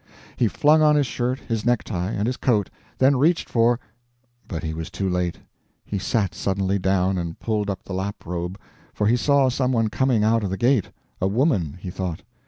He flung on his shirt, his necktie, and his coat; then reached for but he was too late; he sat suddenly down and pulled up the lap robe, for he saw some one coming out of the gate a woman; he thought.